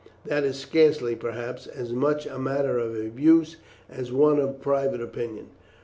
That is scarcely, perhaps, as much a matter of abuse as one of private opinion.